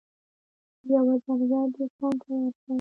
د یوه زرګر دوکان ته ورغی.